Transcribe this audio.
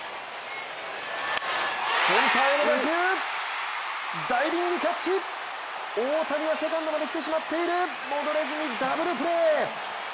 センターへの打球、ダイビングキャッチ、大谷はセカンドまで来てしまっている、戻れずにダブルプレー。